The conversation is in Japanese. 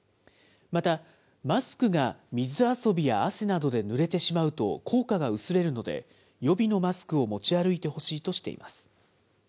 また、マスクが水遊びや汗などでぬれてしまうと効果が薄れるので、予備のマスクを持ち歩いてほしいとしています。